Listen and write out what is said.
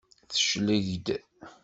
Tecleg-d.